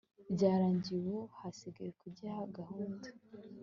byarangiye ubu hasigaye kugiha gahunda